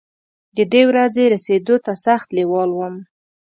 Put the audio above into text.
ددې ورځې رسېدو ته سخت لېوال وم.